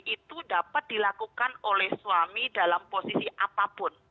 itu dapat dilakukan oleh suami dalam posisi apapun